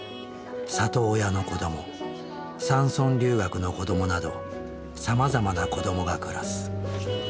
里親の子ども山村留学の子どもなどさまざまな子どもが暮らす。